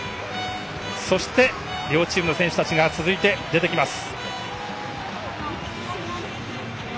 そして、両チームの選手たちが出てきます。